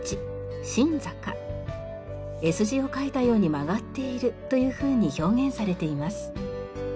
「Ｓ字を書いたように曲がっている」というふうに表現されています。